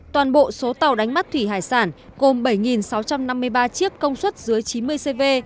toàn bộ số tàu đánh bắt thủy hải sản gồm bảy sáu trăm năm mươi ba chiếc công suất dưới chín mươi cv